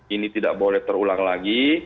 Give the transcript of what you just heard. ini tidak boleh terulang lagi